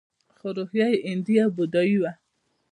خو روحیه یې هندي او بودايي وه